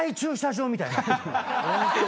ホントだ。